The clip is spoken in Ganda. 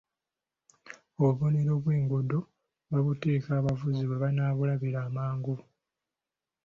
Obubonero bw'enguudo babuteeka abavuzi we banaabulabira amangu.